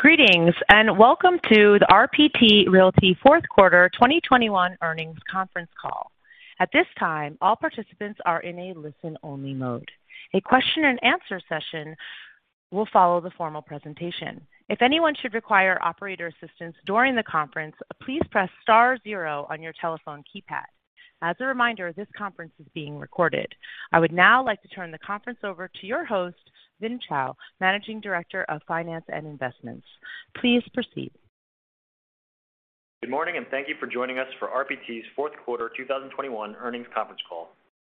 Greetings, and welcome to the RPT Realty Fourth Quarter 2021 Earnings Conference Call. At this time, all participants are in a listen-only mode. A question and answer session will follow the formal presentation. If anyone should require operator assistance during the conference, please press star zero on your telephone keypad. As a reminder, this conference is being recorded. I would now like to turn the conference over to your host, Vin Chao, Managing Director of Finance and Investments. Please proceed. Good morning, and thank you for joining us for RPT's Fourth Quarter 2021 Earnings Conference Call.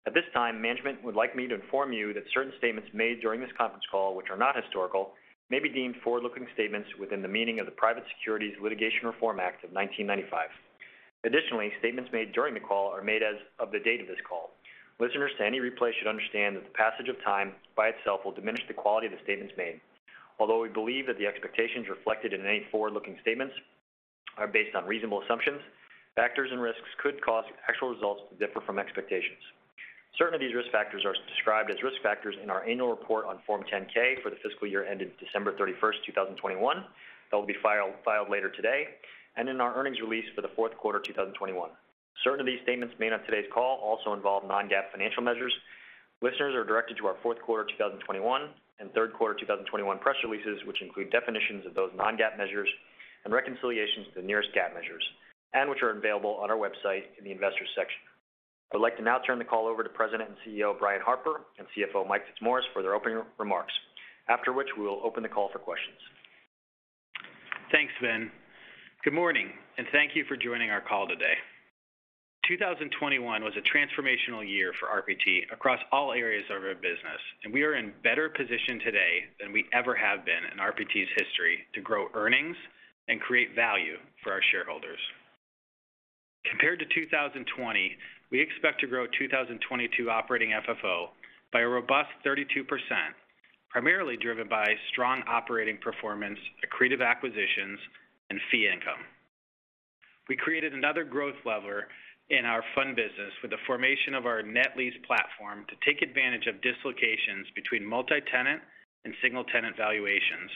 At this time, management would like me to inform you that certain statements made during this conference call which are not historical may be deemed forward-looking statements within the meaning of the Private Securities Litigation Reform Act of 1995. Additionally, statements made during the call are made as of the date of this call. Listeners to any replay should understand that the passage of time by itself will diminish the quality of the statements made. Although we believe that the expectations reflected in any forward-looking statements are based on reasonable assumptions, factors and risks could cause actual results to differ from expectations. Certain of these risk factors are described as risk factors in our annual report on Form 10-K for the fiscal year ended December 31st, 2021 that will be filed later today and in our earnings release for the fourth quarter 2021. Certain of these statements made on today's call also involve non-GAAP financial measures. Listeners are directed to our fourth quarter 2021 and third quarter 2021 press releases, which include definitions of those non-GAAP measures and reconciliations to the nearest GAAP measures and which are available on our website in the Investors section. I'd like to now turn the call over to President and CEO Brian Harper, and CFO Mike Fitzmaurice for their opening remarks. After which, we will open the call for questions. Thanks, Vin. Good morning, and thank you for joining our call today. 2021 was a transformational year for RPT across all areas of our business, and we are in better position today than we ever have been in RPT's history to grow earnings and create value for our shAreholders. Compared to 2020, we expect to grow 2022 operating FFO by a robust 32%, primarily driven by strong operating performance, accretive acquisitions, and fee income. We created another growth lever in our fund business with the formation of our net lease platform to take advantage of dislocations between multi-tenant and single-tenant valuations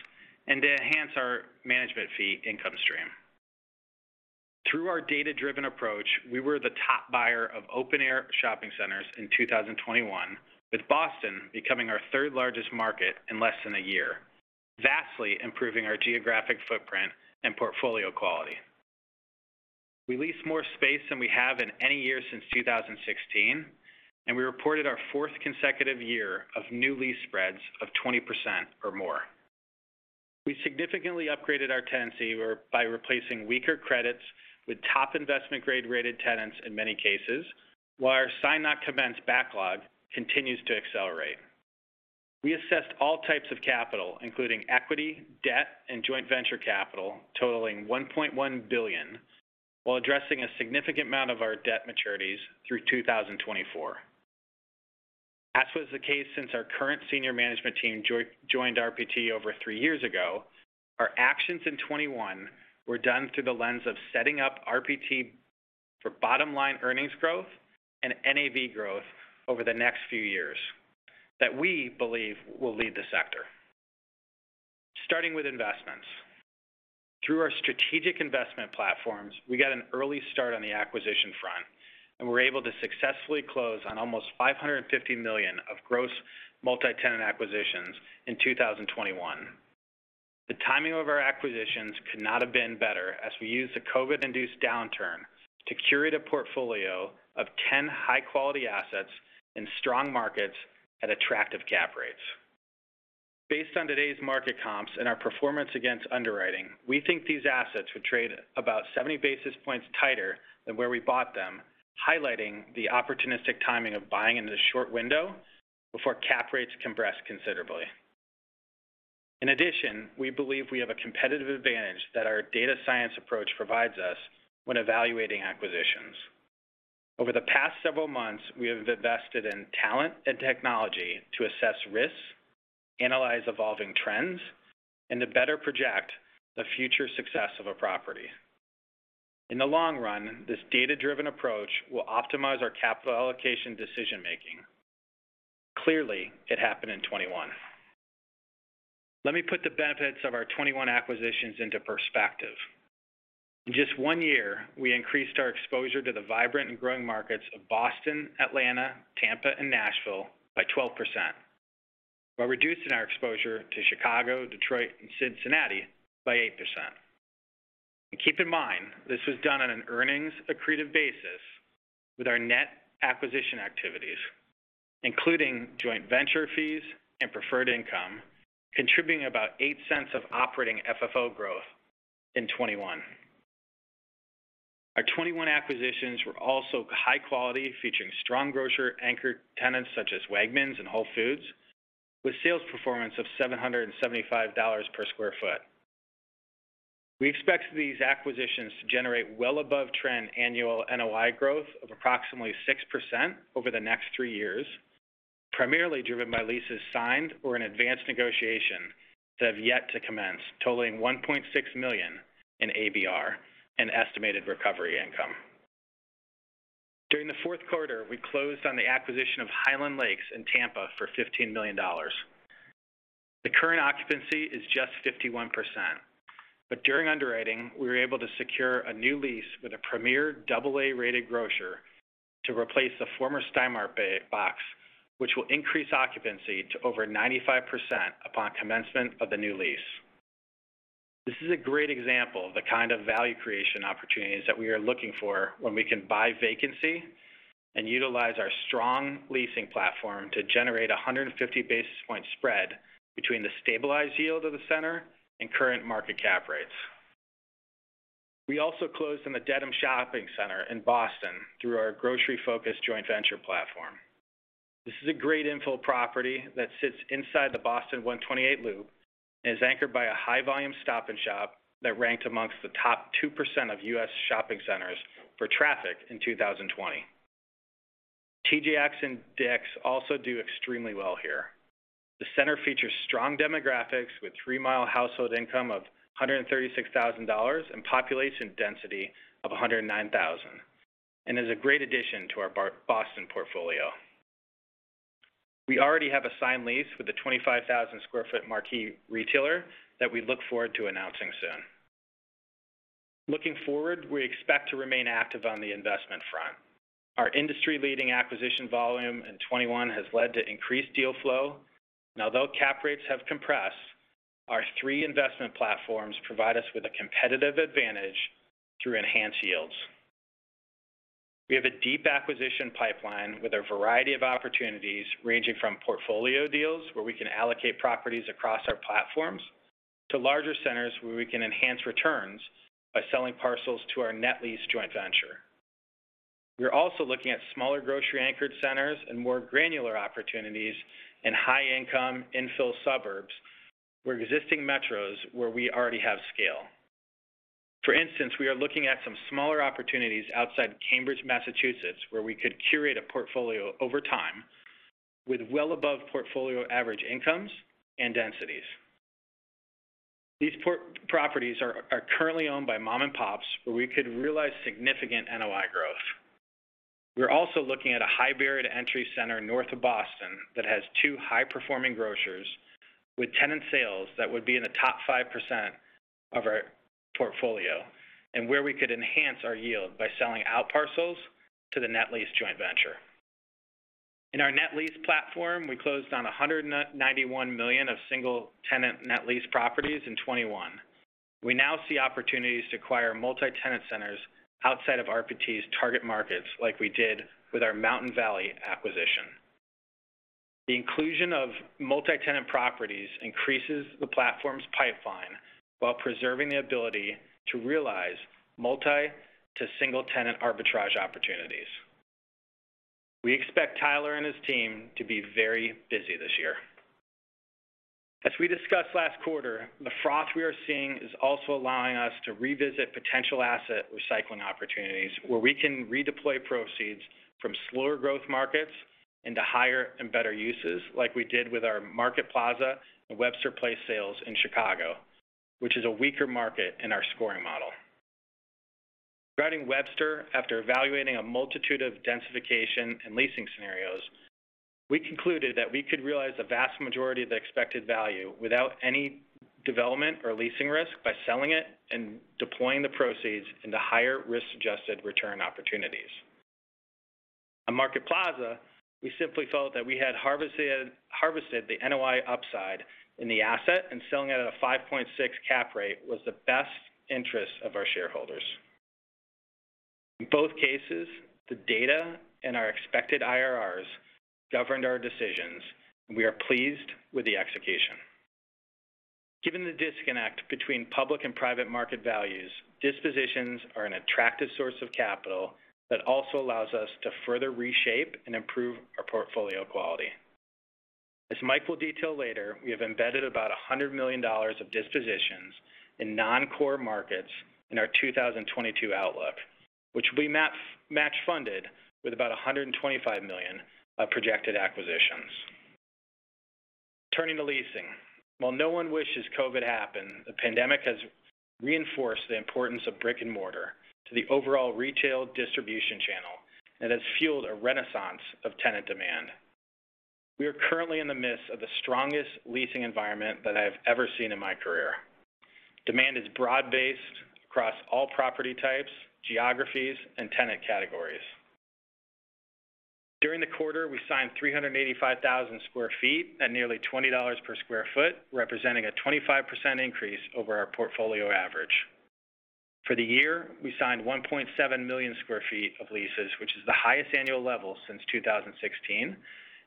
and to enhance our management fee income stream. Through our data-driven approach, we were the top buyer of open air shopping centers in 2021, with Boston becoming our third largest market in less than a year, vastly improving our geographic footprint and portfolio quality. We leased more space than we have in any year since 2016, and we reported our fourth consecutive year of new lease spreads of 20% or more. We significantly upgraded our tenancy by replacing weaker credits with top investment grade rated tenants in many cases, while our signed not commenced backlog continues to accelerate. We assessed all types of capital, including equity, debt, and joint venture capital totaling $1.1 billion, while addressing a significant amount of our debt maturities through 2024. As was the case since our current senior management team joined RPT over three years ago, our actions in 2021 were done through the lens of setting up RPT for bottom-line earnings growth and NAV growth over the next few years that we believe will lead the sector. Starting with investments. Through our strategic investment platforms, we got an early start on the acquisition front, and we were able to successfully close on almost $550 million of gross multi-tenant acquisitions in 2021. The timing of our acquisitions could not have been better as we used the COVID-induced downturn to curate a portfolio of 10 high quality assets in strong markets at attractive cap rates. Based on today's market comps and our performance against underwriting, we think these assets would trade about 70 basis points tighter than where we bought them, highlighting the opportunistic timing of buying in this short window before cap rates compress considerably. In addition, we believe we have a competitive advantage that our data science approach provides us when evaluating acquisitions. Over the past several months, we have invested in talent and technology to assess risks, analyze evolving trends, and to better project the future success of a property. In the long run, this data-driven approach will optimize our capital allocation decision-making. Clearly, it happened in 2021. Let me put the benefits of our 2021 acquisitions into perspective. In just one year, we increased our exposure to the vibrant and growing markets of Boston, Atlanta, Tampa, and Nashville by 12% while reducing our exposure to Chicago, Detroit, and Cincinnati by 8%. Keep in mind, this was done on an earnings accretive basis with our net acquisition activities, including joint venture fees and preferred income, contributing about $0.08 of operating FFO growth in 2021. Our 2021 acquisitions were also high quality, featuring strong grocer anchor tenants such as Wegmans and Whole Foods with sales performance of $775 per sq ft. We expect these acquisitions to generate well above trend annual NOI growth of approximately 6% over the next three years, primarily driven by leases signed or in advanced negotiation that have yet to commence totaling $1.6 million in ABR and estimated recovery income. During the fourth quarter, we closed on the acquisition of Highland Lakes in Tampa for $15 million. The current occupancy is just 51%, but during underwriting, we were able to secure a new lease with a premier double A-rated grocer to replace the former Stein Mart box, which will increase occupancy to over 95% upon commencement of the new lease. This is a great example of the kind of value creation opportunities that we are looking for when we can buy vacancy and utilize our strong leasing platform to generate a 150 basis point spread between the stabilized yield of the center and current market cap rates. We also closed on the Dedham Shopping Center in Boston through our grocery-focused joint venture platform. This is a great infill property that sits inside the Boston 128 loop and is anchored by a high volume Stop & Shop that ranked amongst the top 2% of U.S. shopping centers for traffic in 2020. TJX and DICK'S also do extremely well here. The center features strong demographics with 3 mile household income of $136,000 and population density of 109,000 and is a great addition to our Boston portfolio. We already have a signed lease with a 25,000 sq ft marquee retailer that we look forward to announcing soon. Looking forward, we expect to remain active on the investment front. Our industry-leading acquisition volume in 2021 has led to increased deal flow. Now, although cap rates have compressed, our three investment platforms provide us with a competitive advantage through enhanced yields. We have a deep acquisition pipeline with a variety of opportunities, ranging from portfolio deals where we can allocate properties across our platforms, to larger centers where we can enhance returns by selling parcels to our net lease joint venture. We're also looking at smaller grocery-anchored centers and more granular opportunities in high income infill suburbs where existing metros we already have scale. For instance, we are looking at some smaller opportunities outside Cambridge, Massachusetts, where we could curate a portfolio over time with well above portfolio average incomes and densities. These properties are currently owned by mom and pops, where we could realize significant NOI growth. We're also looking at a high barrier to entry center north of Boston that has two high-performing grocers with tenant sales that would be in the top 5% of our portfolio, and where we could enhance our yield by selling out parcels to the net lease joint venture. In our net lease platform, we closed on $191 million of single-tenant net lease properties in 2021. We now see opportunities to acquire multi-tenant centers outside of RPT's target markets like we did with our Mountain Valley acquisition. The inclusion of multi-tenant properties increases the platform's pipeline while preserving the ability to realize multi to single tenant arbitrage opportunities. We expect Tyler and his team to be very busy this year. As we discussed last quarter, the froth we are seeing is also allowing us to revisit potential asset recycling opportunities where we can redeploy proceeds from slower growth markets into higher and better uses, like we did with our Market Plaza and Webster Place sales in Chicago, which is a weaker market in our scoring model. Regarding Webster, after evaluating a multitude of densification and leasing scenarios, we concluded that we could realize the vast majority of the expected value without any development or leasing risk by selling it and deploying the proceeds into higher risk-adjusted return opportunities. At Market Plaza, we simply felt that we had harvested the NOI upside in the asset, and selling it at a 5.6% cap rate was the best interest of our shareholders. In both cases, the data and our expected IRRs governed our decisions, and we are pleased with the execution. Given the disconnect between public and private market values, dispositions are an attractive source of capital that also allows us to further reshape and improve our portfolio quality. As Mike will detail later, we have embedded about $100 million of dispositions in non-core markets in our 2022 outlook, which will be match funded with about $125 million of projected acquisitions. Turning to leasing. While no one wishes COVID happened, the pandemic has reinforced the importance of brick-and-mortar to the overall retail distribution channel and has fueled a renaissance of tenant demand. We are currently in the midst of the strongest leasing environment that I have ever seen in my career. Demand is broad-based across all property types, geographies, and tenant categories. During the quarter, we signed 385,000 sq ft at nearly $20 per sq ft, representing a 25% increase over our portfolio average. For the year, we signed 1.7 million sq ft of leases, which is the highest annual level since 2016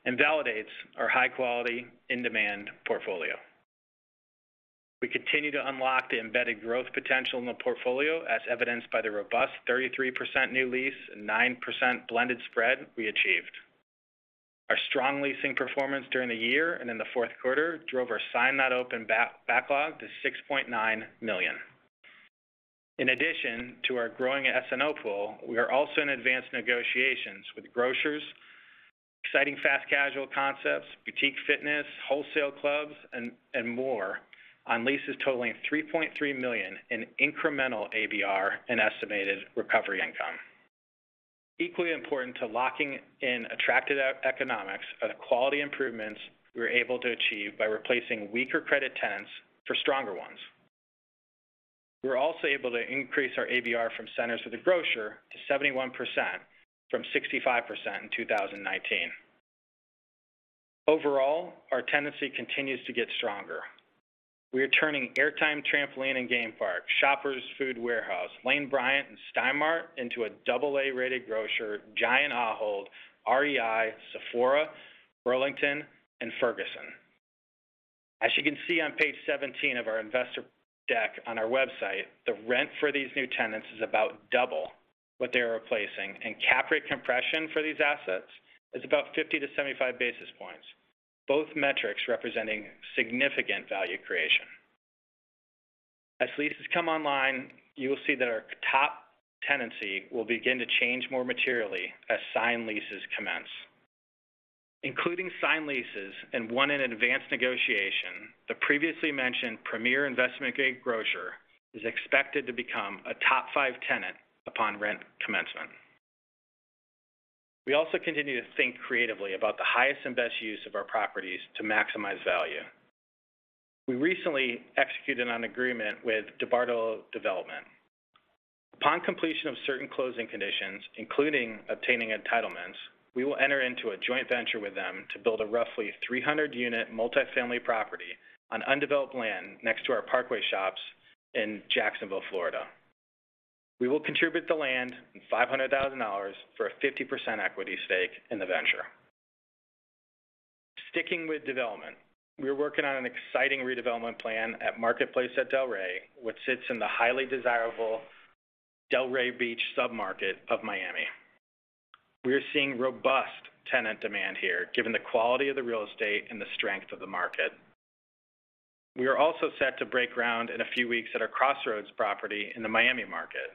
and validates our high quality in-demand portfolio. We continue to unlock the embeddeD growth potential in the portfolio, as evidenced by the robust 33% new lease and 9% blended spread we achieved. Our strong leasing performance during the year and in the fourth quarter drove our Signed Not Opened backlog to $6.9 million. In addition to our growing SNO pool, we are also in advanced negotiations with grocers, exciting fast casual concepts, boutique fitness, wholesale clubs and more on leases totaling $3.3 million in incremental ABR and estimated recovery income. Equally important to locking in attractive economics are the quality improvements we were able to achieve by replacing weaker credit tenants for stronger ones. We were also able to increase our ABR from centers with a grocer to 71% from 65% in 2019. Overall, our tenancy continues to get stronger. We are turning AirTime Trampoline & Game Park, Shoppers Food Warehouse, Lane Bryant, and Stein Mart into a double A-rated grocer, Giant Eagle, REI, Sephora, Burlington, and Ferguson. As you can see on page 17 of our Investor Deck on our website, the rent for these new tenants is about double what they are replacing, and cap rate compression for these assets is about 50-75 basis points, both metrics representing significant value creation. As leases come online, you will see that our top tenancy will begin to change more materially as signed leases commence. Including signed leases and one in advanced negotiation, the previously mentioned premier investment grade grocer is expected to become a top five tenant upon rent commencement. We also continue to think creatively about the highest and best use of our properties to maximize value. We recently executed an agreement with DeBartolo Development. Upon completion of certain closing conditions, including obtaining entitlements, we will enter into a joint venture with them to build a roughly 300-unit multi-family property on undeveloped land next to our Parkway Shops in Jacksonville, Florida. We will contribute the land and $500,000 for a 50% equity stake in the venture. Sticking with development, we are working on an exciting redevelopment plan at Marketplace at Delray, which sits in the highly desirable Delray Beach submarket of Miami. We are seeing robust tenant demand here given the quality of the real estate and the strength of the market. We are also set to break ground in a few weeks at our Crossroads property in the Miami market.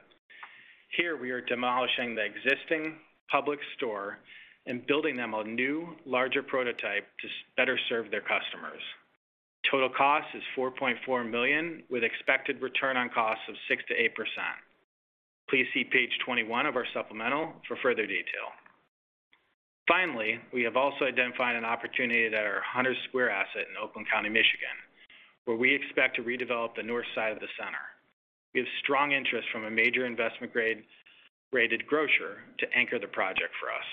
Here we are demolishing the existing Publix store and building them a new, larger prototype to better serve their customers. Total cost is $4.4 million with expected return on cost of 6%-8%. Please see page 21 of our supplemental for further detail. Finally, we have also identified an opportunity at our Hunters Square asset in Oakland County, Michigan, where we expect to redevelop the north side of the center. We have strong interest from a major investment-grade rated grocer to anchor the project for us.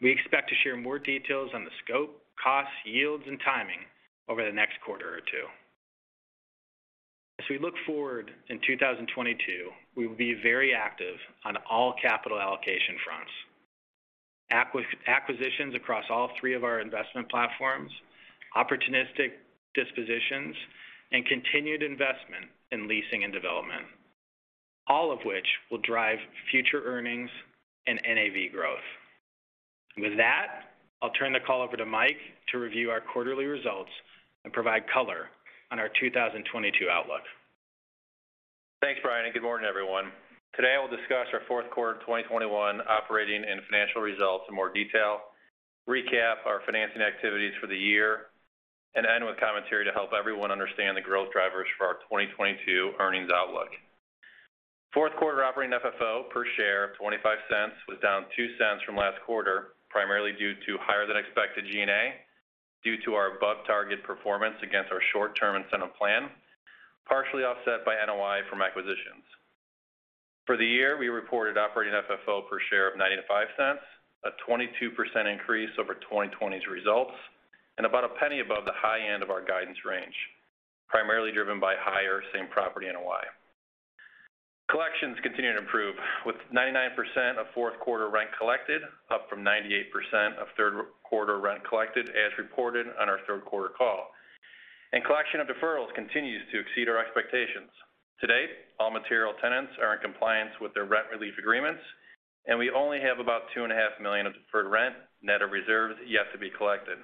We expect to share more details on the scope, cost, yields, and timing over the next quarter or two. As we look forward in 2022, we will be very active on all capital allocation fronts. Acquisitions across all three of our investment platforms, opportunistic dispositions, and continued investment in leasing and development, all of which will drive future earnings and NAV growth. With that, I'll turn the call over to Mike to review our quarterly results and provide color on our 2022 outlook. Thanks, Brian, and good morning, everyone. Today, I will discuss our fourth quarter of 2021 operating and financial results in more detail, recap our financing activities for the year, and end with commentary to help everyone understand the growth drivers for our 2022 earnings outlook. Fourth quarter operating FFO per share of $0.25 was down $0.02 from last quarter, primarily due to higher than expected G&A due to our above target performance against our short term incentive plan, partially offset by NOI from acquisitions. For the year, we reported operating FFO per share of $0.95, a 22% increase over 2020's results, and about $0.01 above the high end of our guidance range, primarily driven by higher same property NOI. Collections continued to improve with 99% of fourth quarter rent collected, up from 98% of third quarter rent collected as reported on our third quarter call. Collection of deferrals continues to exceed our expectations. To date, all material tenants are in compliance with their rent relief agreements, and we only have about $2.5 million of deferred rent net of reserves yet to be collected.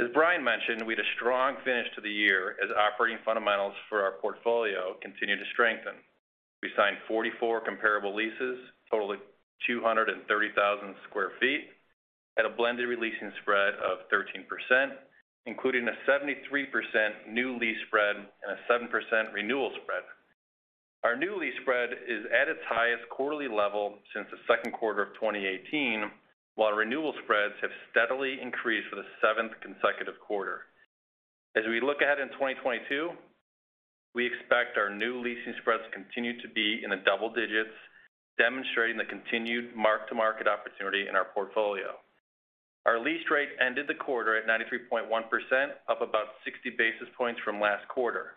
As Brian mentioned, we had a strong finish to the year as operating fundamentals for our portfolio continued to strengthen. We signed 44 comparable leases, totaling 230,000 sq ft at a blended re-leasing spread of 13%, including a 73% new lease spread and a 7% renewal spread. Our new lease spread is at its highest quarterly level since the second quarter of 2018, while renewal spreads have steadily increased for the seventh consecutive quarter. As we look ahead in 2022, we expect our new leasing spreads to continue to be in the double digits, demonstrating the continued mark to market opportunity in our portfolio. Our lease rate ended the quarter at 93.1%, up about 60 basis points from last quarter.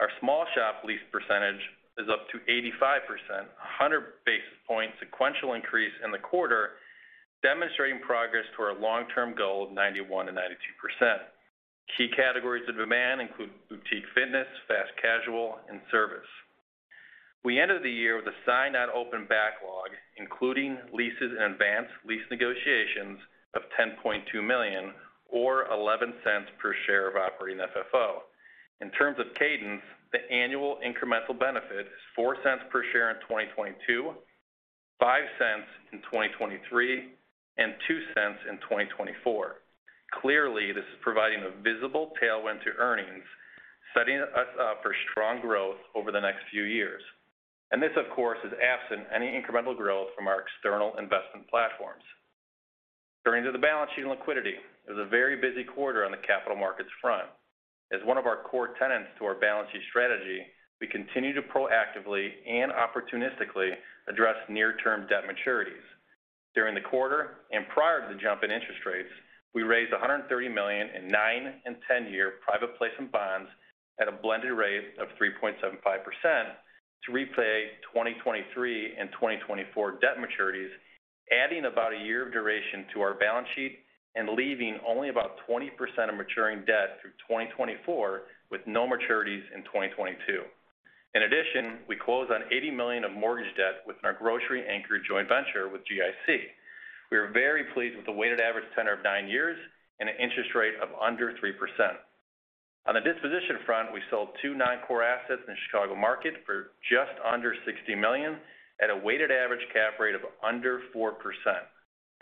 Our small shop lease percentage is up to 85%, a 100 basis point sequential increase in the quarter, demonstrating progress to our long-term goal of 91%-92%. Key categories of demand include boutique fitness, fast casual, and service. We ended the year with a signed not opened backlog, including leases in advance, lease negotiations of $10.2 million or $11 per share of operating FFO. In terms of cadence, the annual incremental benefit is $4 per share in 2022, $5 in 2023, and $2 in 2024. Clearly, this is providing a visible tailwind to earnings, setting us up for strong growth over the next few years. This, of course, is absent any incremental growth from our external investment platforms. Turning to the balance sheet and liquidity. It was a very busy quarter on the capital markets front. As one of our core tenets to our balance sheet strategy, we continue to proactively and opportunistically address near-term debt maturities. During the quarter and prior to the jump in interest rates, we raised $130 million in nine- and 10-year private placement bonds at a blended rate of 3.75% to replay 2023 and 2024 debt maturities, adding about a year of duration to our balance sheet and leaving only about 20% of maturing debt through 2024, with no maturities in 2022. In addition, we closed on $80 million of mortgage debt within our grocery-anchored joint venture with GIC. We are very pleased with the weighted average tenor of nine years and an interest rate of under 3%. On the disposition front, we sold two non-core assets in Chicago market for just under $60 million at a weighted average cap rate of under 4%.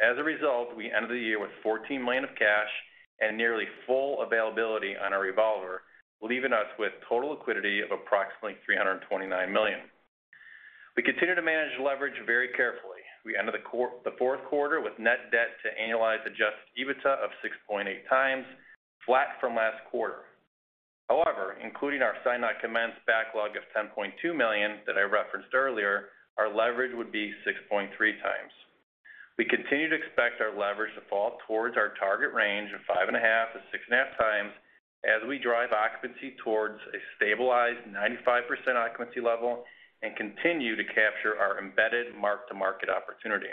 As a result, we ended the year with $14 million of cash and nearly full availability on our revolver, leaving us with total liquidity of approximately $329 million. We continue to manage leverage very carefully. We ended the fourth quarter with net debt to annualized adjusted EBITDA of 6.8x, flat from last quarter. However, including our signed-not-commenced backlog of $10.2 million that I referenced earlier, our leverage would be 6.3x. We continue to expect our leverage to fall towards our target range of 5.5x-6.5x as we drive occupancy towards a stabilized 95% occupancy level and continue to capture our embedded mark-to-market opportunity.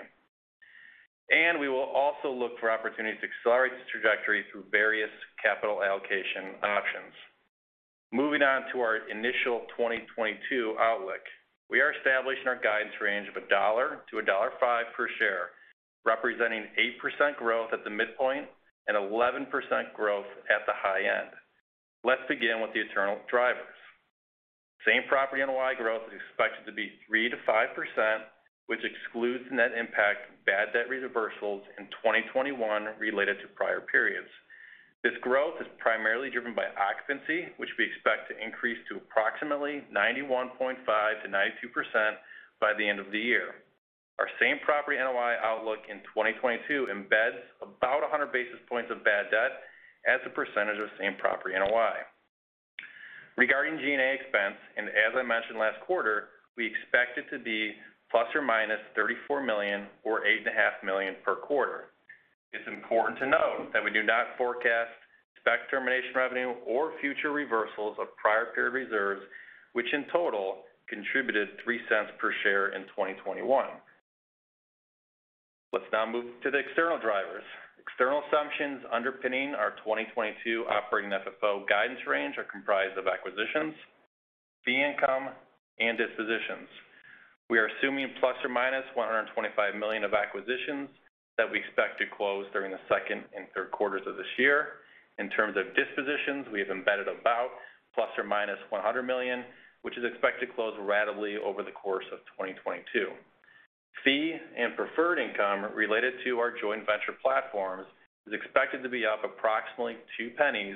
We will also look for opportunities to accelerate this trajectory through various capital allocation options. Moving on to our initial 2022 outlook. We are establishing our guidance range of $1-$1.05 per share, representing 8% growth at the midpoint and 11% growth at the high end. Let's begin with the internal drivers. Same-property NOI growth is expected to be 3%-5%, which excludes net impact bad debt reversals in 2021 related to prior periods. This growth is primarily driven by occupancy, which we expect to increase to approximately 91.5%-92% by the end of the year. Our same-property NOI outlook in 2022 embeds about 100 basis points of bad debt as a percentage of same-property NOI. Regarding G&A expense, as I mentioned last quarter, we expect it to be ±$34 million or $8.5 million per quarter. It's important to note that we do not forecast spec termination revenue or future reversals of prior period reserves, which in total contributed $0.03 per share in 2021. Let's now move to the external drivers. External assumptions underpinning our 2022 operating FFO guidance range are comprised of acquisitions, fee income, and dispositions. We are assuming ±$125 million of acquisitions that we expect to close during the second and third quarters of this year. In terms of dispositions, we have embedded about ±$100 million, which is expected to close ratably over the course of 2022. Fee and preferred income related to our joint venture platforms is expected to be up approximately $0.02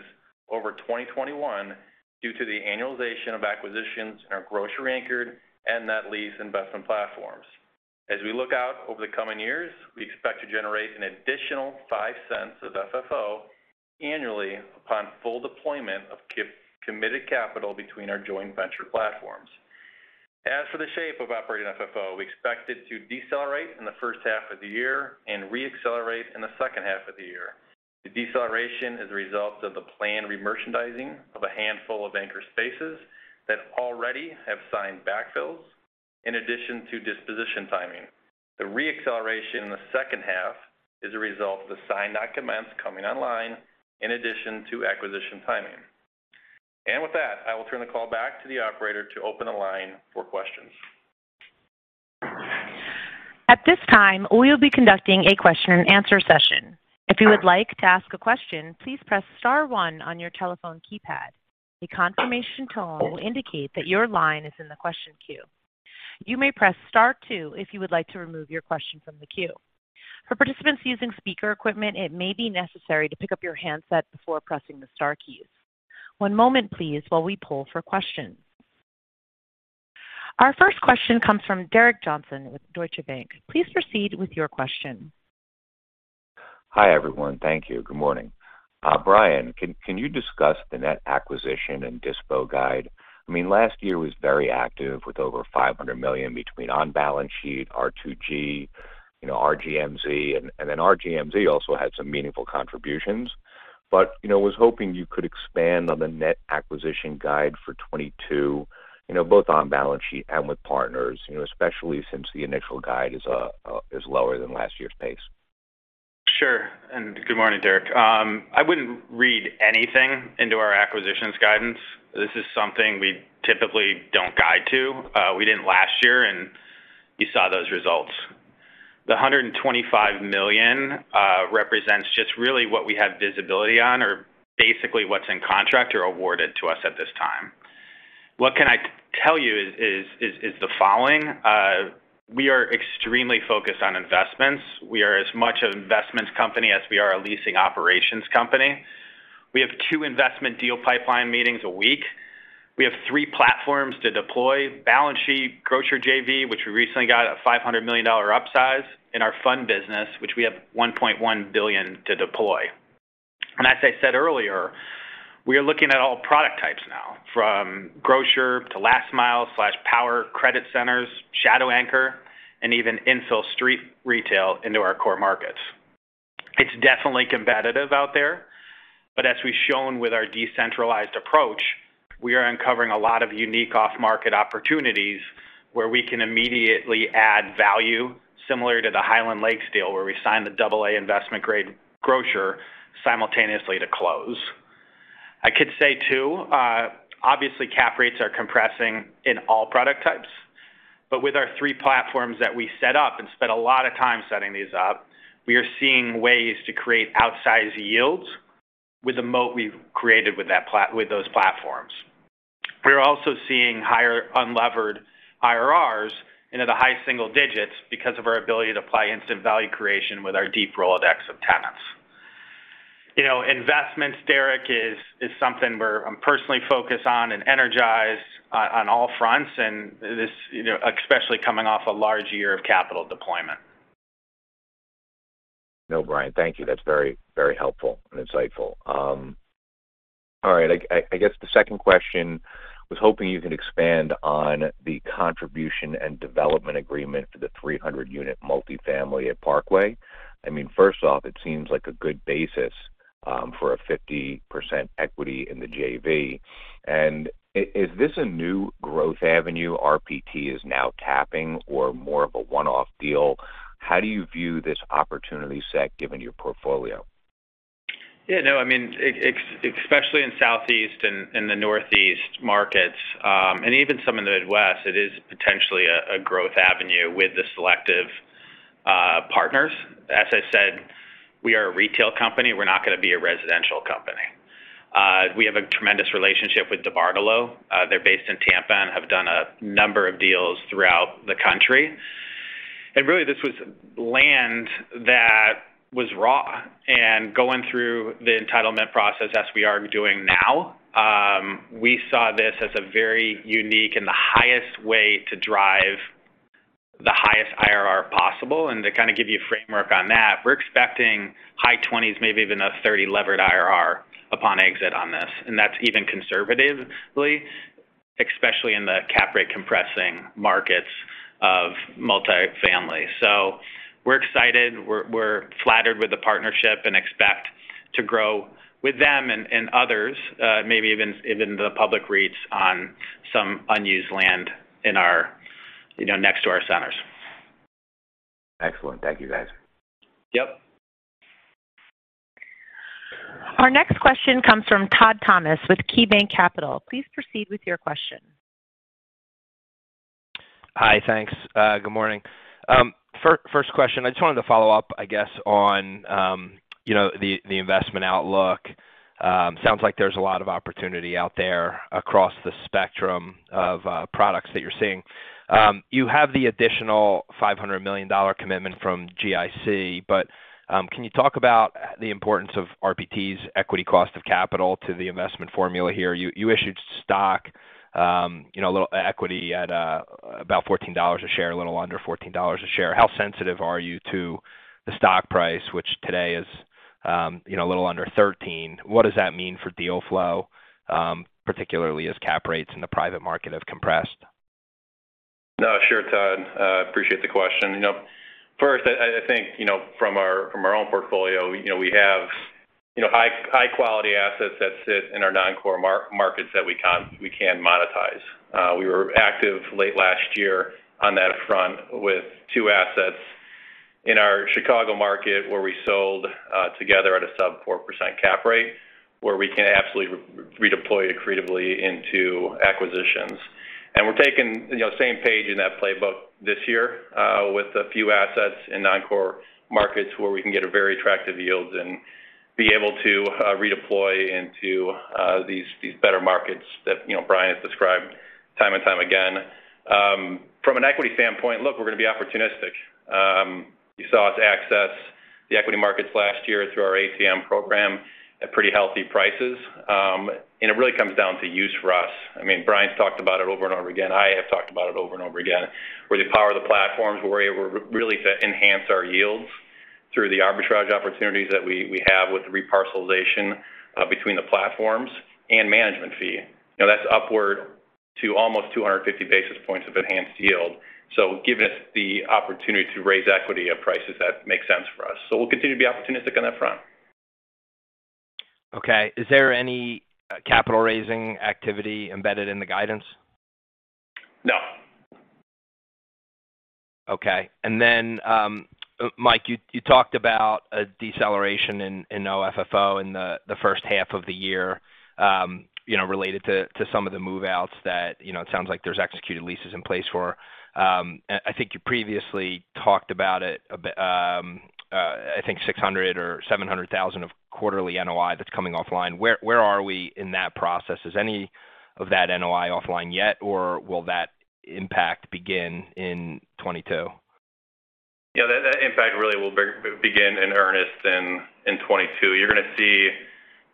over 2021 due to the annualization of acquisitions in our grocery-anchored and net lease investment platforms. As we look out over the coming years, we expect to generate an additional $5 of FFO annually upon full deployment of committed capital between our joint venture platforms. As for the shape of operating FFO, we expect it to decelerate in the first half of the year and re-accelerate in the second half of the year. The deceleration is a result of the planned remerchandising of a handful of anchor spaces that already have signed backfills, in addition to disposition timing. The re-acceleration in the second half is a result of the sign-not-commenced coming online in addition to acquisition timing. With that, I will turn the call back to the operator to open the line for questions. At this time, we will be conducting a question and answer session. If you would like to ask a question, please press star one on your telephone keypad. A confirmation tone will indicate that your line is in the question queue. You may press star two if you would like to remove your question from the queue. For participants using speaker equipment, it may be necessary to pick up your handset before pressing the star keys. One moment please while we poll for questions. Our first question comes from Derek Johnston with Deutsche Bank. Please proceed with your question. Hi, everyone. Thank you. Good morning. Brian, can you discuss the net acquisition and dispo guide? I mean, last year was very active with over $500 million between on-balance sheet, R2G, you know, RGMZ, and then RGMZ also had some meaningful contributions. You know, I was hoping you could expand on the net acquisition guide for 2022, you know, both on balance sheet and with partners, you know, especially since the initial guide is lower than last year's pace. Sure. Good morning, Derek. I wouldn't read anything into our acquisitions guidance. This is something we typically don't guide to. We didn't last year, and you saw those results. The $125 million represents just really what we have visibility on or basically what's in contract or awarded to us at this time. What can I tell you is the following. We are extremely focused on investments. We are as much an investments company as we are a leasing operations company. We have two investment deal pipeline meetings a week. We have three platforms to deploy, balance sheet, grocer JV, which we recently got a $500 million upsize in our fund business, which we have $1.1 billion to deploy. As I said earlier, we are looking at all product types now, from grocer to last mile/power credit centers, shadow anchor, and even infill street retail into our core markets. It's definitely competitive out there, but as we've shown with our decentralized approach, we are uncovering a lot of unique off-market opportunities where we can immediately add value similar to the Highland Lakes deal, where we signed the double-A investment-grade grocer simultaneously to close. I could say too, obviously, cap rates are compressing in all product types, but with our three platforms that we set up and spent a lot of time setting these up, we are seeing ways to create outsized yields with the moat we've created with those platforms. We're also seeing higher unlevered IRRs into the high single digits because of our ability to apply instant value creation with our deep Rolodex of tenants. You know, investments, Derek, is something I'm personally focused on and energized on all fronts. This, you know, especially coming off a large year of capital deployment. No, Brian, thank you. That's very, very helpful and insightful. All right. I guess the second question, I was hoping you could expand on the contribution and development agreement for the 300-unit multifamily at Parkway. I mean, first off, it seems like a good basis for a 50% equity in the JV. Is this a new growth avenue RPT is now tapping or more of a one-off deal? How do you view this opportunity set given your portfolio? Yeah, no, I mean, especially in Southeast and the Northeast markets, and even some in the Midwest, it is potentially a growth avenue with the selective partners. As I said, we are a retail company. We're not gonna be a residential company. We have a tremendous relationship with DeBartolo. They're based in Tampa and have done a number of deals throughout the country. Really, this was land that was raw. Going through the entitlement process as we are doing now, we saw this as a very unique and the highest way to drive the highest IRR possible. To kind of give you a framework on that, we're expecting high 20%s, maybe even a 30% levered IRR upon exit on this. That's even conservatively, especially in the cap rate compressing markets of multifamily. We're excited. We're flattered with the partnership and expect to grow with them and others, maybe even the public REITs on some unused land in our, you know, next to our centers. Excellent. Thank you, guys. Yep. Our next question comes from Todd Thomas with KeyBanc Capital. Please proceed with your question. Hi. Thanks. Good morning. First question, I just wanted to follow up, I guess, on, you know, the investment outlook. Sounds like there's a lot of opportunity out there across the spectrum of products that you're seeing. You have the additional $500 million commitment from GIC, but can you talk about the importance of RPT's equity cost of capital to the investment formula here? You issued stock, you know, a little equity at about $14 a share, a little under $14 a share. How sensitive are you to the stock price, which today is, you know, a little under $13? What does that mean for deal flow, particularly as cap rates in the private market have compressed? Sure, Todd. Appreciate the question. You know, first, I think, you know, from our own portfolio, you know, we have high quality assets that sit in our non-core markets that we can monetize. We were active late last year on that front with two assets in our Chicago market, where we sold together at a sub 4% cap rate, where we can absolutely redeploy it creatively into acquisitions. We're taking you know same page in that playbook this year with a few assets in non-core markets where we can get a very attractive yield and be able to redeploy into these better markets that you know Brian has described time and time again. From an equity standpoint, look, we're gonna be opportunistic. You saw us access the equity markets last year through our ATM program at pretty healthy prices. It really comes down to use for us. I mean, Brian's talked about it over and over again. I have talked about it over and over again, where the power of the platforms, we're able really to enhance our yields through the arbitrage opportunities that we have with the reparcelization between the platforms and management fee. Now, that's upward to almost 250 basis points of enhanced yield. Giving us the opportunity to raise equity at prices that make sense for us. We'll continue to be opportunistic on that front. Okay. Is there any capital raising activity embedded in the guidance? No. Okay. Mike, you talked about a deceleration in OFFO in the first half of the year, you know, related to some of the move-outs that, you know, it sounds like there's executed leases in place for. I think you previously talked about 600,000 or 700,000 of quarterly NOI that's coming offline. Where are we in that process? Is any of that NOI offline yet, or will that impact begin in 2022? Yeah, that impact really will begin in earnest in 2022. You're gonna see.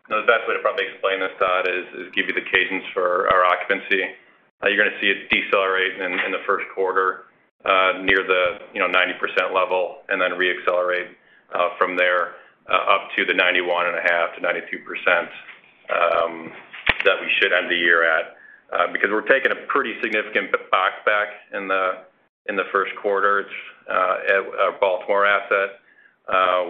You know, the best way to probably explain this, Todd, is give you the cadence for our occupancy. You're gonna see it decelerate in the first quarter near the 90% level and then re-accelerate from there up to the 91.5%-92% that we should end the year at. Because we're taking a pretty significant big box back in the first quarter. It's at a Baltimore asset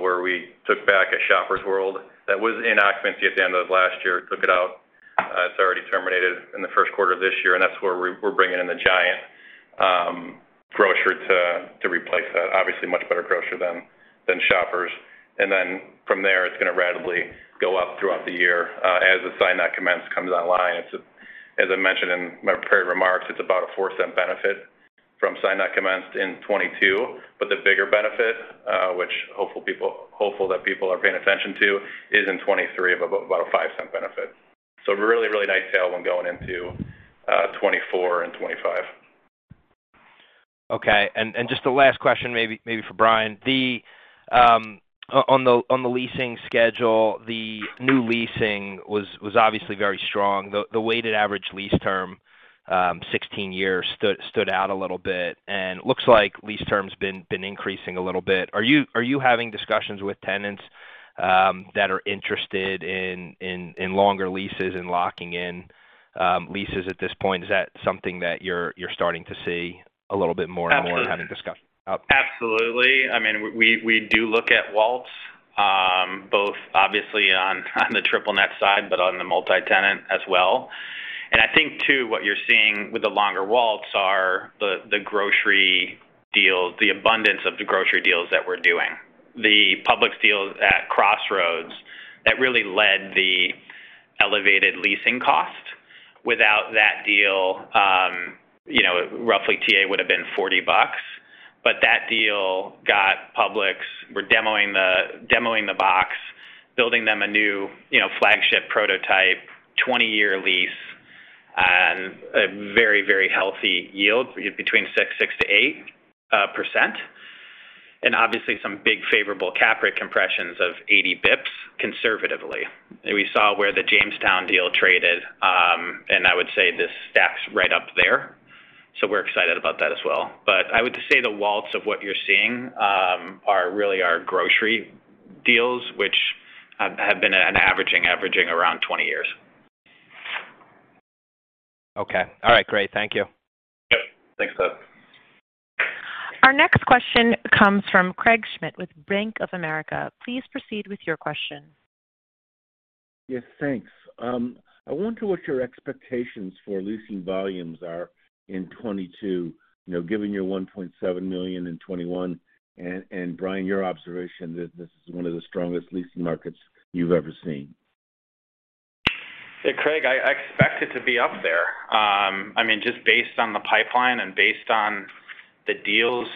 where we took back a Shoppers Food Warehouse that was in occupancy at the end of last year and took it out. It's already terminated in the first quarter of this year, and that's where we're bringing in the Giant grocer to replace that. Obviously, a much better grocer than Shoppers. From there, it's gonna rapidly go up throughout the year as the same-store that commenced comes online. As I mentioned in my prepared remarks, it's about a $0.04 benefit from same-store that commenced in 2022. But the bigger benefit, which hopefully people are paying attention to is in 2023 of about a $0.05 benefit. Really nice tailwind going into 2024 and 2025. Okay. Just the last question maybe for Brian. On the leasing schedule, the new leasing was obviously very strong. The weighted average lease term 16 years stood out a little bit. It looks like lease term's been increasing a little bit. Are you having discussions with tenants that are interested in longer leases and locking in leases at this point? Is that something that you're starting to see a little bit more and more and having discussions? Absolutely. Oh. Absolutely. I mean, we do look at WALTs both obviously on the triple net side, but on the multi-tenant as well. I think too, what you're seeing with the longer WALTs are the grocery deals, the abundance of the grocery deals that we're doing. The Publix deals at Crossroads that really led the elevated leasing cost. Without that deal, you know, roughly TA would have been $40. That deal got Publix. We're demoing the box, building them a new, you know, flagship prototype, 20-year lease, and a very healthy yield between 6%-8%. Obviously some big favorable cap rate compressions of 80 bps conservatively. We saw where the Jamestown deal traded, and I would say this stacks right up there. We're excited about that as well. I would say the WALTs of what you're seeing are really our grocery deals, which have been averaging around 20 years. Okay. All right, great. Thank you. Yep. Thanks, Todd. Our next question comes from Craig Smith with Bank of America. Please proceed with your question. Yes, thanks. I wonder what your expectations for leasing volumes are in 2022, you know, given your 1.7 million sq ft in 2021 and Brian, your observation that this is one of the strongest leasing markets you've ever seen. Yeah, Craig, I expect it to be up there. I mean, just based on the pipeline and based on the deals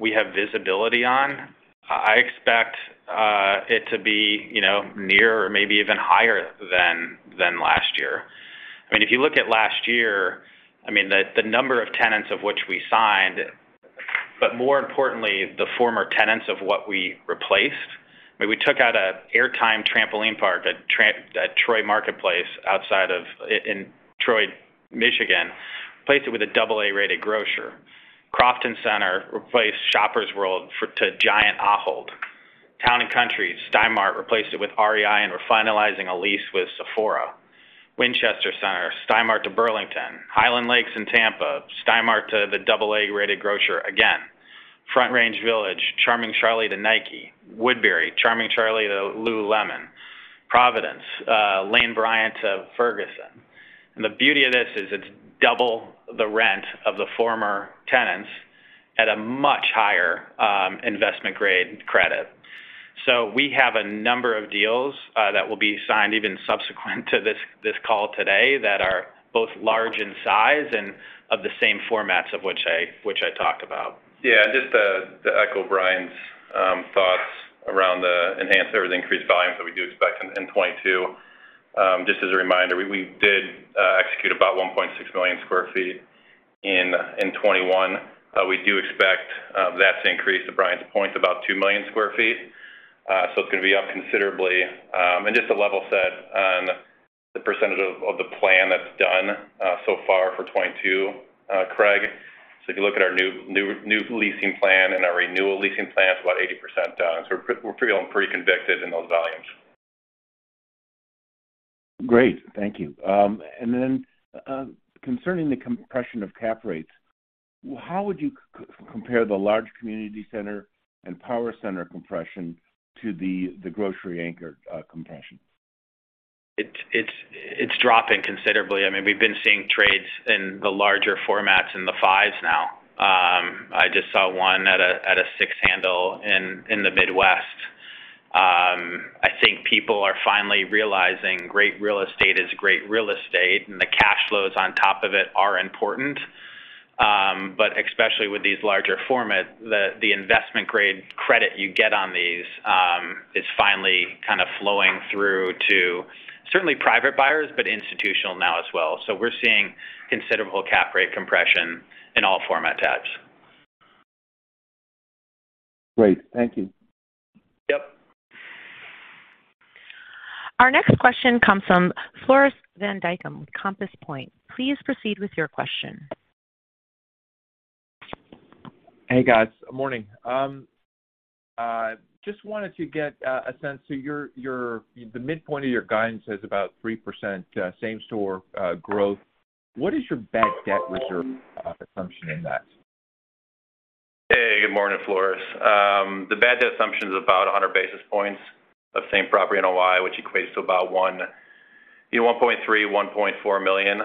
we have visibility on, I expect it to be, you know, near or maybe even higher than last year. I mean, if you look at last year, I mean, the number of tenants of which we signed, but more importantly, the former tenants of what we replaced. I mean, we took out an AirTime Trampoline Park at Troy Marketplace outside of Troy, Michigan, replaced it with a double A-rated grocer. Crofton Center replaced Shoppers Food Warehouse to Giant Food. Town and Country, Stein Mart replaced it with REI, and we're finalizing a lease with Sephora. Winchester Center, Stein Mart to Burlington. Highland Lakes in Tampa, Stein Mart to the double A-rated grocer again. Front Range Village, Charming Charlie to Nike. Woodbury, Charming Charlie to lululemon. Providence, Lane Bryant to Ferguson. The beauty of this is it's double the rent of the former tenants at a much higher investment grade credit. We have a number of deals that will be signed even subsequent to this call today that are both large in size and of the same formats of which I talked about. Yeah, just to echo Brian's thoughts around the enhanced or the increased volumes that we do expect in 2022. Just as a reminder, we did execute about 1.6 million sq ft in 2021. We do expect that to increase to Brian's point about 2 million sq ft. So it's gonna be up considerably. Just to level set on the percentage of the plan that's done so far for 2022, Craig. So if you look at our new leasing plan and our renewal leasing plan, it's about 80% done. So we're feeling pretty convicted in those volumes. Great. Thank you. Concerning the compression of cap rates, how would you compare the large community center and power center compression to the grocery anchor compression? It's dropping considerably. I mean, we've been seeing trades in the larger formats in the fives now. I just saw one at a six handle in the Midwest. I think people are finally realizing great real estate is great real estate, and the cash flows on top of it are important. Especially with these larger format, the investment grade credit you get on these is finally kind of flowing through to certainly private buyers, but institutional now as well. We're seeing considerable cap rate compression in all format types. Great. Thank you. Yep. Our next question comes from Floris van Dijkum with Compass Point. Please proceed with your question. Hey, guys. Morning. Just wanted to get a sense of your. The midpoint of your guidance is about 3% same-store growth. What is your bad debt reserve assumption in that? Hey, good morning, Floris. The bad debt assumption is about 100 basis points of same property NOI, which equates to about $1.3 million-$1.4 million.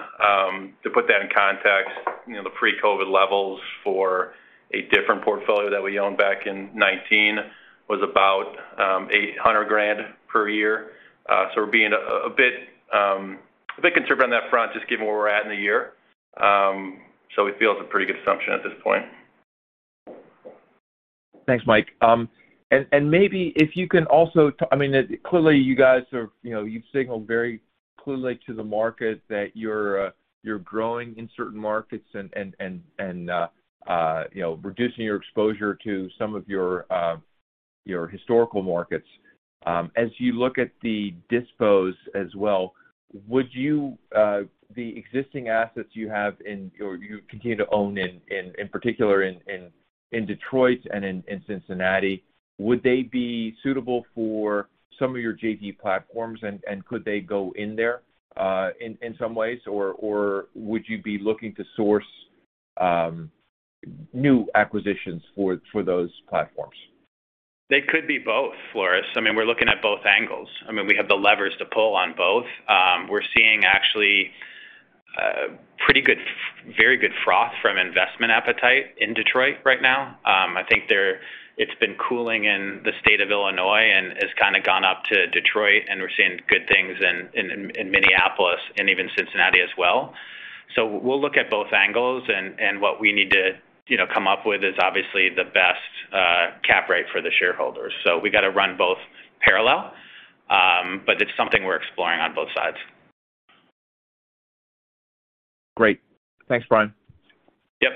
To put that in context, you know, the pre-COVID levels for a different portfolio that we owned back in 2019 was about $800,000 per year. We're being a bit conservative on that front just given where we're at in the year. It feels a pretty good assumption at this point. Thanks, Mike. Maybe if you can also, I mean, clearly, you guys are, you know, you've signaled very clearly to the market that you're growing in certain markets and you know, reducing your exposure to some of your historical markets. As you look at the dispositions as well, the existing assets you have or you continue to own in particular in Detroit and Cincinnati, would they be suitable for some of your JV platforms, and could they go in there in some ways? Or would you be looking to source new acquisitions for those platforms? They could be both, Floris. I mean, we're looking at both angles. I mean, we have the levers to pull on both. We're seeing actually very good froth from investment appetite in Detroit right now. I think. There, it's been cooling in the state of Illinois and has kind of gone up to Detroit, and we're seeing good things in Minneapolis and even Cincinnati as well. We'll look at both angles and what we need to, you know, come up with is obviously the best cap rate for the shareholders. We got to run both parallel, but it's something we're exploring on both sides. Great. Thanks, Brian. Yep.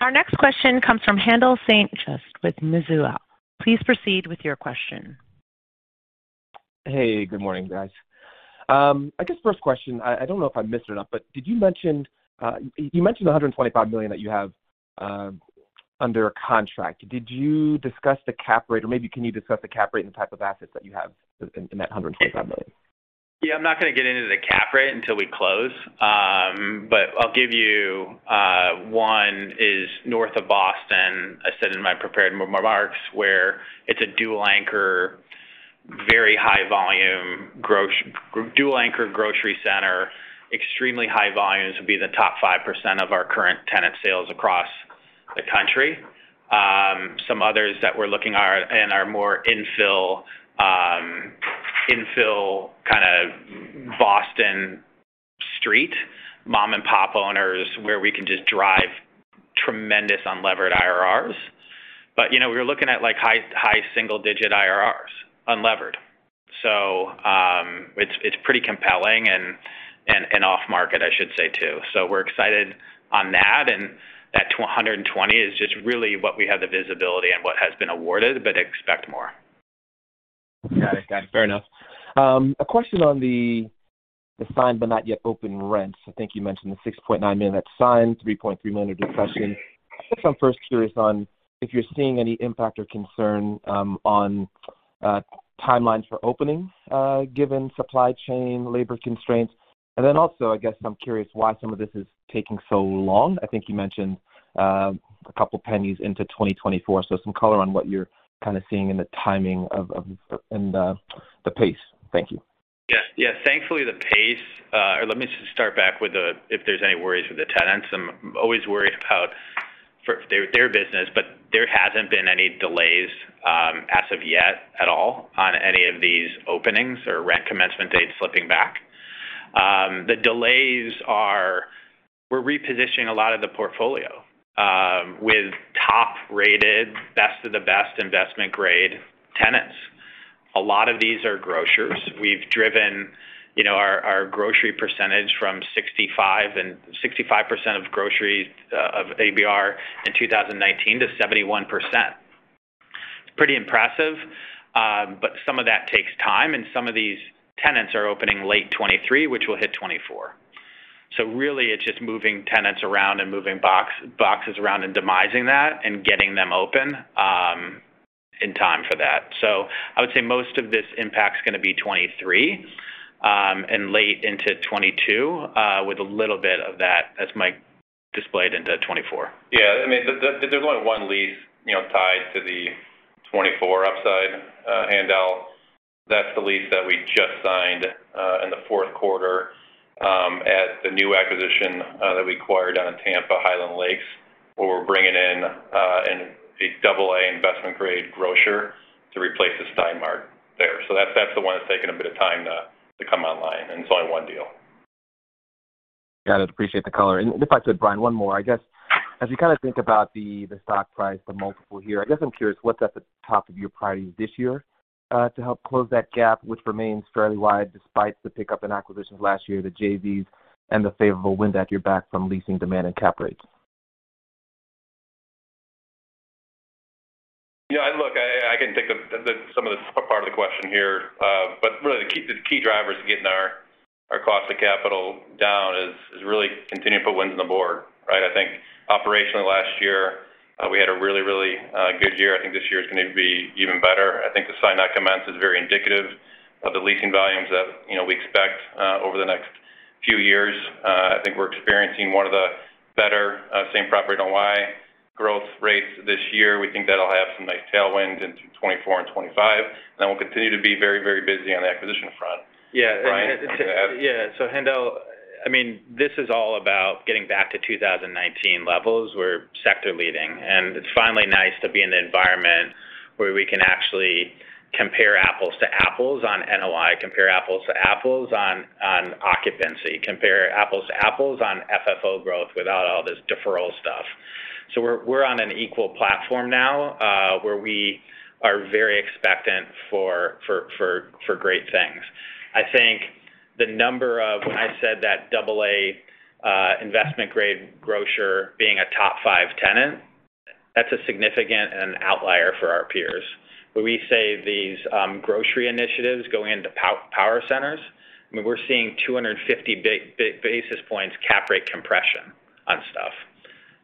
Our next question comes from Haendel St. Juste with Mizuho. Please proceed with your question. Hey, good morning, guys. I guess first question, I don't know if I missed it or not, but did you mention, you mentioned the $125 million that you have under contract. Did you discuss the cap rate? Or maybe can you discuss the cap rate and type of assets that you have in that $125 million? I'm not gonna get into the cap rate until we close. I'll give you one is north of Boston, I said in my prepared remarks, where it's a dual anchor, very high volume dual anchor grocery center, extremely high volumes. It would be the top 5% of our current tenant sales across the country. Some others that we're looking at are more infill kind of Boston Street, mom and pop owners, where we can just drive tremendous unlevered IRRs. You know, we're looking at like high single digit IRRs, unlevered. It's pretty compelling and off market, I should say, too. We're excited on that. That 220 is just really what we have the visibility and what has been awarded, but expect more. Got it. Fair enough. A question on the signed but not yet open rents. I think you mentioned the $6.9 million that's signed, $3.3 million in discussion. I guess I'm first curious on if you're seeing any impact or concern on timelines for openings given supply chain, labor constraints. Then also, I guess I'm curious why some of this is taking so long. I think you mentioned a couple pennies into 2024. Some color on what you're kind of seeing in the timing of the pace. Thank you. Yes. Thankfully, if there's any worries with the tenants. I'm always worried about their business, but there hasn't been any delays as of yet at all on any of these openings or rent commencement dates slipping back. The delays are we're repositioning a lot of the portfolio with top-rated, best of the best investment grade tenants. A lot of these are grocers. We've driven, you know, our grocery percentage from 65% of ABR in 2019 to 71%. It's pretty impressive, but some of that takes time, and some of these tenants are opening late 2023, which will hit 2024. Really it's just moving tenants around and moving boxes around and demising that and getting them open in time for that. I would say most of this impact's gonna be 2023, and late into 2022, with a little bit of that as Mike displayed into 2024. Yeah. I mean, there's only one lease, you know, tied to the 2024 upside, handout. That's the lease that we just signed in the fourth quarter at the new acquisition that we acquired down in Tampa, Highland Lakes, where we're bringing in a double A investment-grade grocer to replace the Stein Mart there. That's the one that's taking a bit of time to come online, and it's only one deal. Got it. Appreciate the color. If I could, Brian, one more. I guess, as you kind of think about the stock price, the multiple here, I guess I'm curious what's at the top of your priorities this year, to help close that gap which remains fairly wide despite the pickup in acquisitions last year, the JVs and the favorable wind at your back from leasing demand and cap rates. Yeah, look, I can take some of the question here. Really the key drivers to getting our cost of capital down is really continuing to put wins on the board, right? I think operationally last year we had a really good year. I think this year is gonna be even better. I think the sign that commenced is very indicative of the leasing volumes that you know we expect over the next few years. I think we're experiencing one of the better same property NOI growth rates this year. We think that'll have some nice tailwinds into 2024 and 2025, and we'll continue to be very busy on the acquisition front. Brian, do you have Yeah. Haendel, I mean, this is all about getting back to 2019 levels. We're sector leading, and it's finally nice to be in an environment where we can actually compare apples to apples on NOI, compare apples to apples on occupancy, compare apples to apples on FFO growth without all this deferral stuff. We're on an equal platform now, where we are very expectant for great things. I think when I said that double-A investment-grade grocer being a top five tenant, that's a significant outlier for our peers. When we say these grocery initiatives going into power centers, I mean, we're seeing 250 basis points cap rate compression on stuff.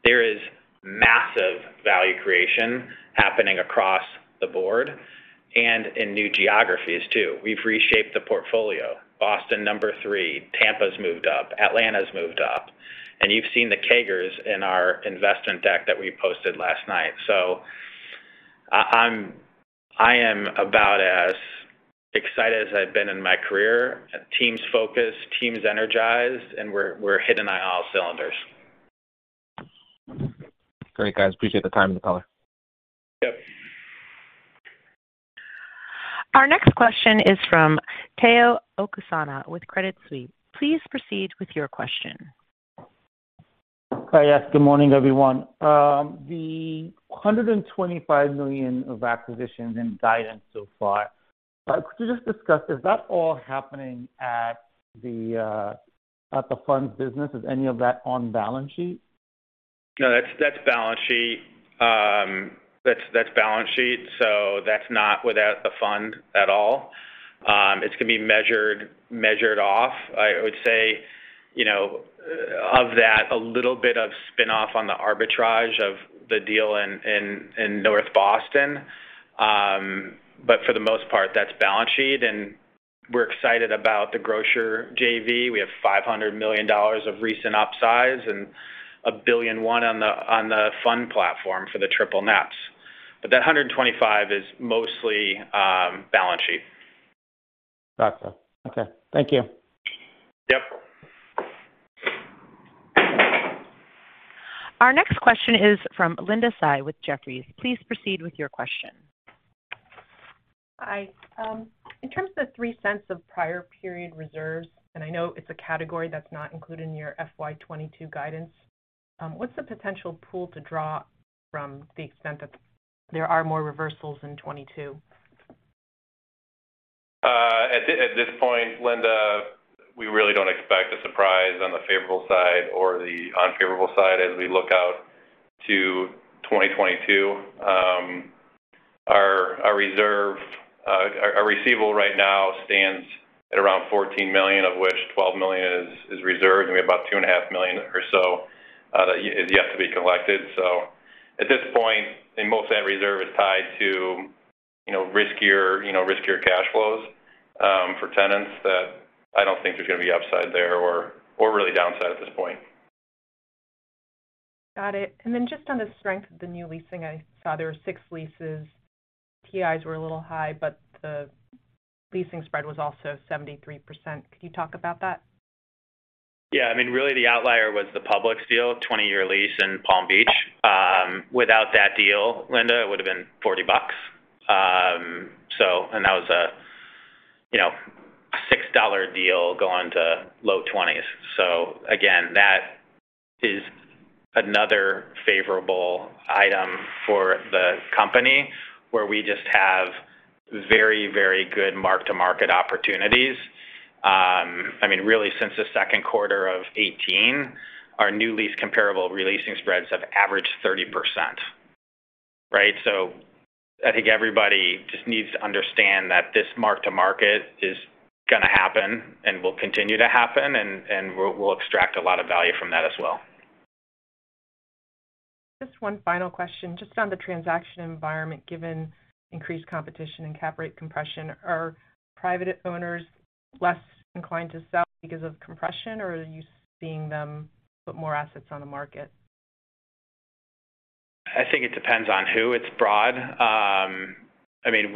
There is massive value creation happening across the board and in new geographies too. We've reshaped the portfolio. Boston, number three, Tampa's moved up, Atlanta's moved up, and you've seen the CAGRs in our investment deck that we posted last night. I am about as excited as I've been in my career. Team's focused, team's energized, and we're hitting on all cylinders. Great, guys. Appreciate the time and the color. Yep. Our next question is from Tayo Okusanya with Credit Suisse. Please proceed with your question. Hi. Yes, good morning, everyone. The $125 million of acquisitions and guidance so far, could you just discuss, is that all happening at the funds business? Is any of that on balance sheet? No. That's balance sheet. That's balance sheet, so that's not without the fund at all. It's gonna be measured off. I would say, you know, of that, a little bit of spin-off on the arbitrage of the deal in North Boston. But for the most part, that's balance sheet. We're excited about the grocer JV. We have $500 million of recent upsides and $1.1 billion on the fund platform for the triple nets. But that 125 is mostly balance sheet. Gotcha. Okay. Thank you. Yep. Our next question is from Linda Tsai with Jefferies. Please proceed with your question. Hi. In terms of the $0.03 of prior period reserves, and I know it's a category that's not included in your FY 2022 guidance, what's the potential pool to draw from to the extent that there are more reversals in 2022? At this point, Linda, we really don't expect a surprise on the favorable side or the unfavorable side as we look out to 2022. Our reserve, our receivable right now stands at around $14 million, of which $12 million is reserved, and we have about $2.5 million or so that is yet to be collected. At this point, most of that reserve is tied to, you know, riskier cash flows for tenants that I don't think there's gonna be upside there or really downside at this point. Got it. Just on the strength of the new leasing, I saw there were six leases. TIs were a little high, but the leasing spread was also 73%. Could you talk about that? Yeah. I mean, really the outlier was the Publix deal, 20-year lease in Palm Beach. Without that deal, Linda, it would've been $40. That was a, you know, a $6 deal going to low $20s. Again, that is another favorable item for the company where we just have very, very good mark-to-market opportunities. I mean, really since the second quarter of 2018, our new lease comparable re-leasing spreads have averaged 30%, right? I think everybody just needs to understand that this mark-to-market is gonna happen and will continue to happen, and we'll extract a lot of value from that as well. Just one final question just on the transaction environment given increased competition and cap rate compression. Are private owners less inclined to sell because of compression, or are you seeing them put more assets on the market? I think it depends on who. It's broad. I mean,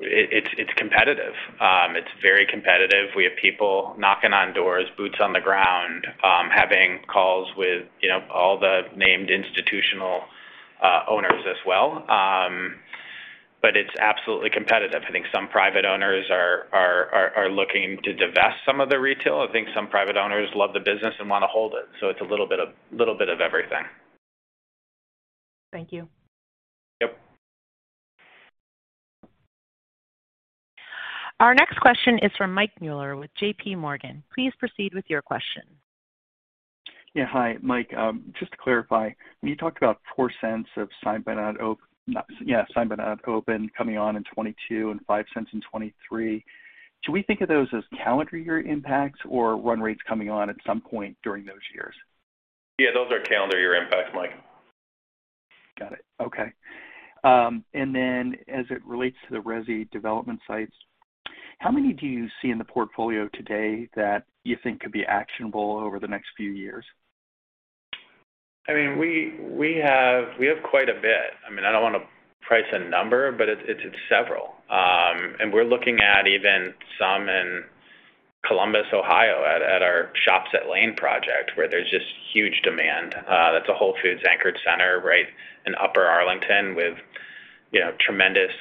it's competitive. It's very competitive. We have people knocking on doors, boots on the ground, having calls with, you know, all the named institutional owners as well. But it's absolutely competitive. I think some private owners are looking to divest some of their retail. I think some private owners love the business and wanna hold it. It's a little bit of everything. Thank you. Yep. Our next question is from Mike Mueller with J.P. Morgan. Please proceed with your question. Hi, Mike. Just to clarify, when you talked about $0.04 of signed but not open coming on in 2022 and $0.05 in 2023, should we think of those as calendar year impacts or run rates coming on at some point during those years? Yeah, those are calendar year impacts, Mike. Got it. Okay. As it relates to the resi development sites, how many do you see in the portfolio today that you think could be actionable over the next few years? I mean, we have quite a bit. I mean, I don't wanna put a number, but it's several. We're looking at even some in Columbus, Ohio, at our Shops on Lane Avenue project where there's just huge demand. That's a Whole Foods anchored center right in Upper Arlington with you know tremendous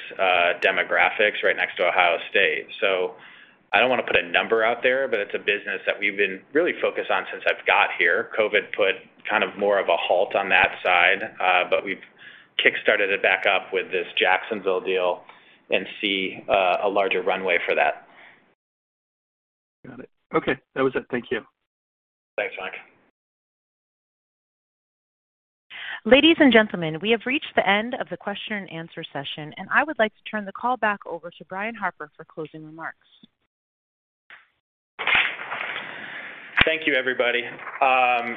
demographics right next to Ohio State. I don't wanna put a number out there, but it's a business that we've been really focused on since I've got here. COVID put kind of more of a halt on that side, but we've kickstarted it back up with this Jacksonville deal and see a larger runway for that. Got it. Okay, that was it. Thank you. Thanks, Mike. Ladies and gentlemen, we have reached the end of the question and answer session, and I would like to turn the call back over to Brian Harper for closing remarks. Thank you, everybody.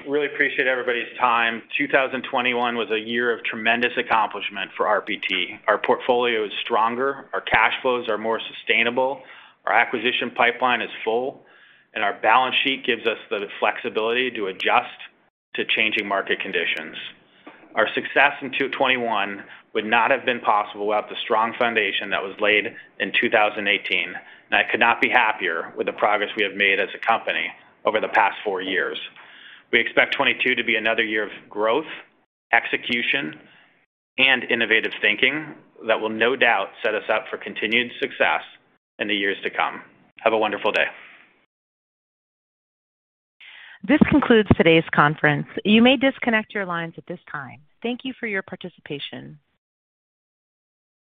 Really appreciate everybody's time. 2021 was a year of tremendous accomplishment for RPT. Our portfolio is stronger, our cash flows are more sustainable, our acquisition pipeline is full, and our balance sheet gives us the flexibility to adjust to changing market conditions. Our success in 2021 would not have been possible without the strong foundation that was laid in 2018, and I could not be happier with the progress we have made as a company over the past four years. We expect 2022 to be another year of growth, execution, and innovative thinking that will no doubt set us up for continued success in the years to come. Have a wonderful day. This concludes today's conference. You may disconnect your lines at this time. Thank you for your participation.